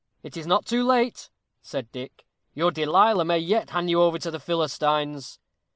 "It is not too late," said Dick. "Your Delilah may yet hand you over to the Philistines."